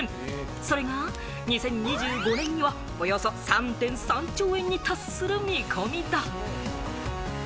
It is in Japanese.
それが２０２５年にはおよそ３．３兆円に達する見込みと。